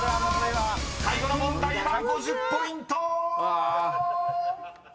［最後の問題は５０ポイント！］